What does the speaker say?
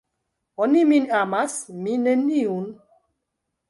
Oni min amas, mi neniun!